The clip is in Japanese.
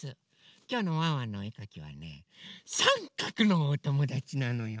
きょうのワンワンのおえかきはねさんかくのおともだちなのよ。